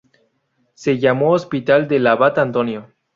Se llamó Hospital del Abad Antonio.